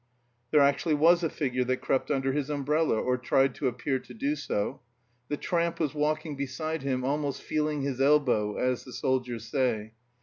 There actually was a figure that crept under his umbrella, or tried to appear to do so. The tramp was walking beside him, almost "feeling his elbow," as the soldiers say.